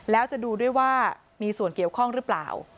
แล้วจะดูด้วยว่ามีส่วนเกี่ยวข้องหรือเปล่า